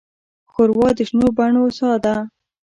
ښوروا د شنو بڼو ساه ده.